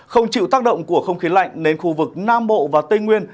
không chịu tác động của không khí lạnh nên khu vực nam bộ và tây nguyên